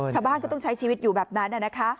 ชาวบ้านก็ต้องใช้ชีวิตอยู่แบบนั้น